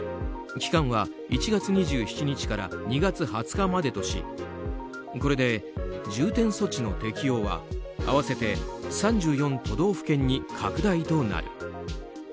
期間は１月２７日から２月２０日までとしこれで重点措置の適用は合わせて３４都道府県に拡大となる。